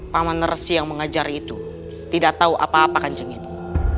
pak manersi yang mengajar itu tidak tahu apa apa kan jengibu